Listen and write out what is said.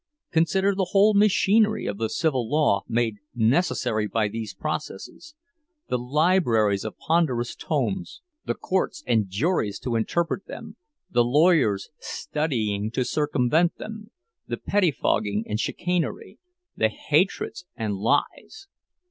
Consider the whole machinery of the civil law made necessary by these processes; the libraries of ponderous tomes, the courts and juries to interpret them, the lawyers studying to circumvent them, the pettifogging and chicanery, the hatreds and lies!